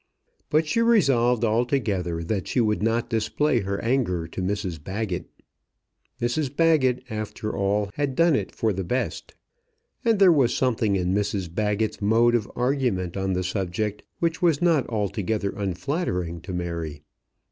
But she resolved altogether that she would not display her anger to Mrs Baggett. Mrs Baggett, after all, had done it for the best. And there was something in Mrs Baggett's mode of argument on the subject which was not altogether unflattering to Mary.